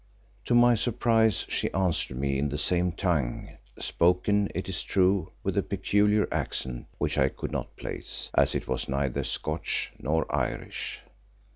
To my surprise she answered me in the same tongue, spoken, it is true, with a peculiar accent which I could not place, as it was neither Scotch nor Irish.